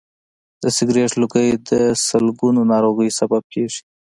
د سګرټ لوګی د سلګونو ناروغیو سبب کېږي.